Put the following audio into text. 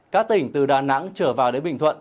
các tỉnh từ đà nẵng trở vào đến bình thuận